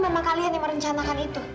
memang kalian yang merencanakan itu